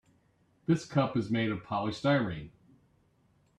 This cup is made of polystyrene.